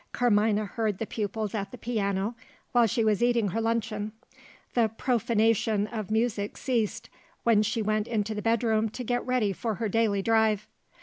Carmina heard the pupils at the piano, while she was eating her luncheon. The profanation of music ceased, when she went into the bedroom to get ready for her daily drive.